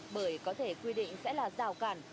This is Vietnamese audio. bởi có thể quy định sẽ là rào cản